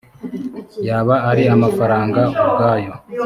yaba ari amafaranga ubwayo